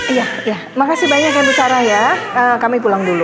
iya iya terima kasih banyak ya bu sarah ya kami pulang dulu